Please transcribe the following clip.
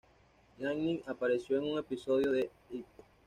Jennings apareció en un episodio de "E!